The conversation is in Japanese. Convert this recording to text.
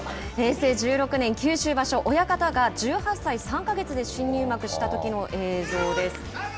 平成１６年九州場所親方が１８歳３か月で新入幕したときの映像です。